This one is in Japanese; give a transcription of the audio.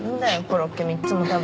コロッケ３つも食べて。